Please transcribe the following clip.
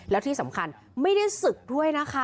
แล้วที่สำคัญไม่ได้ศึกด้วยนะคะ